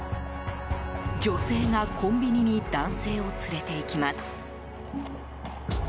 女性がコンビニに男性を連れていきます。